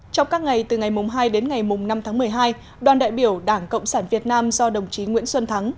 trong các ngày từ ngày hai đến ngày năm tháng một mươi hai đoàn đại biểu đảng cộng sản việt nam do đồng chí nguyễn xuân thắng